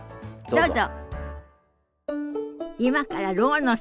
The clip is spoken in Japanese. どうぞ。